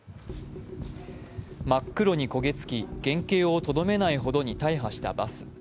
真っ黒に焦げつき原形をとどめないほどに大破したバス。